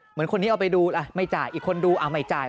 เหมือนคนนี้เอาไปดูไม่จ่ายอีกคนดูเอาไม่จ่าย